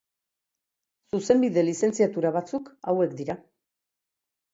Zuzenbide Lizentziatura batzuk hauek dira.